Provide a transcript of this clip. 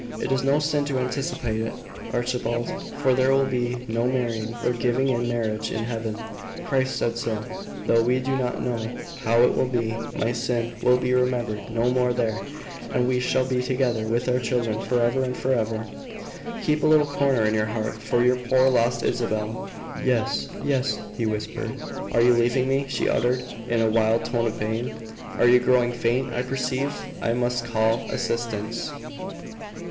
"It is no sin to anticipate it, Archibald, for there will be no marrying or giving in marriage in Heaven: Christ said so. Though we do not know how it will be, my sin will be remembered no more there, and we shall be together with our children forever and forever. Keep a little corner in your heart for your poor lost Isabel." "Yes, yes," he whispered. "Are you leaving me?" she uttered, in a wild tone of pain. "You are growing faint, I perceive, I must call assistance."